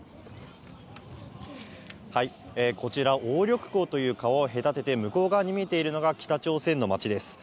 こちら、鴨緑江という川を隔てて向こう側に見えているのが、北朝鮮の街です。